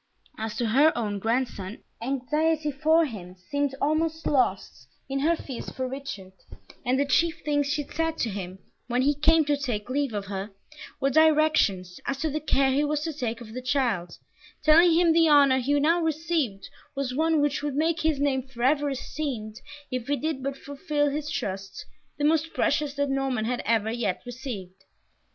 As to her own grandson, anxiety for him seemed almost lost in her fears for Richard, and the chief things she said to him, when he came to take leave of her, were directions as to the care he was to take of the child, telling him the honour he now received was one which would make his name forever esteemed if he did but fulfil his trust, the most precious that Norman had ever yet received.